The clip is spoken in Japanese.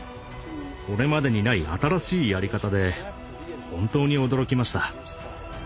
これまでにない新しいやり方で本当に驚きました。